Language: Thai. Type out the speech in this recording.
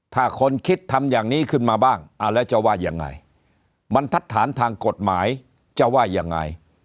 ถ้าคนคิดทำอย่างนี้ขึ้นมาบ้างแล้วจะว่ายังไงบรรทัศนทางกฎหมายจะว่ายังไง